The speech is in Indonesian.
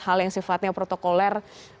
hal yang sifatnya protokoler